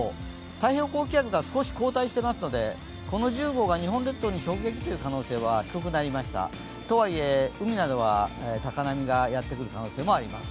太平洋高気圧が少し後退してますので、この１０号が日本列島に直撃という可能性は低くなりましたとはいえ海などは高波がやってくる可能性はあります。